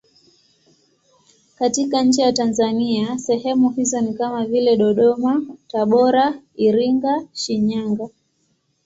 Katika nchi ya Tanzania sehemu hizo ni kama vile Dodoma, Tabora, Iringa, Shinyanga.